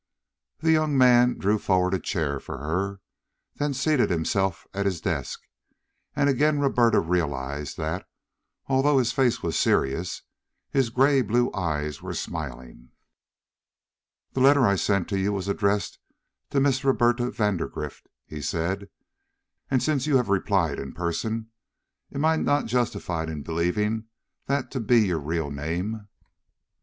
The young man drew forward a chair for her, then seated himself at his desk, and again Roberta realized that, although his face was serious, his gray blue eyes were smiling. "The letter I sent to you was addressed to Miss Roberta Vandergrift," he said, "and, since you have replied in person, am I not justified in believing that to be your real name?"